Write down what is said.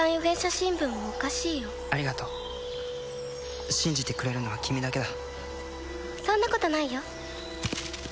新聞もおかしいよありがとう信じてくれるのは君だけだそんなことないよ